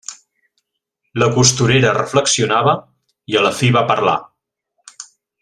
La costurera reflexionava, i a la fi va parlar.